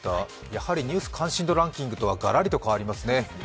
やはりニュース関心度ランキングとはガラリと変わりますね。